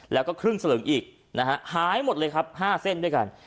แล้วก็ครึ่งสลึงอีกนะฮะหายหมดเลยครับ๕เส้นด้วยกัน